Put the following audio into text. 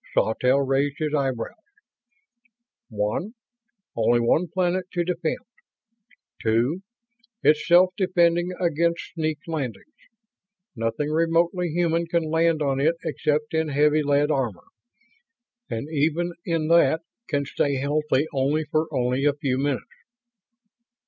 Sawtelle raised his eyebrows. "One, only one planet to defend. Two, it's self defending against sneak landings. Nothing remotely human can land on it except in heavy lead armor, and even in that can stay healthy for only a few minutes."